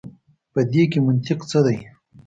په دې کي منطق څه دی.